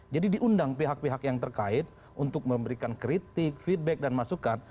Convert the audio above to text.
jadi diundang pihak pihak yang terkait untuk memberikan kritik feedback dan masukan